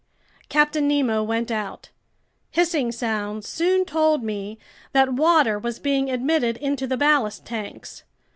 Captain Nemo went out. Hissing sounds soon told me that water was being admitted into the ballast tanks.